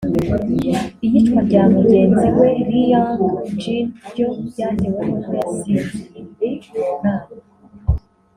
iyicwa rya mugenzi we Ri Yong Jin ryo ryatewe n’uko yasinziriye mu nama